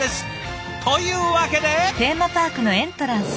というわけで。